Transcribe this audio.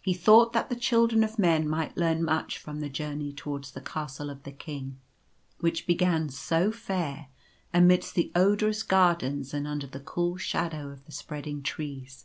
He thought that the children of men might learn much from the journey towards the Castle of the King, which began so fair, amidst the odorous gardens and under the cool shadow of the spreading trees.